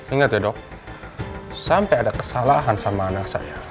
ingat ya dok sampai ada kesalahan sama anak saya